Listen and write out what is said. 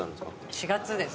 ４月です。